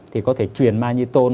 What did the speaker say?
thì có thể truyền manitôn